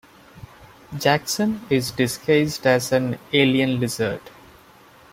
Jackson is disguised as an alien lizard.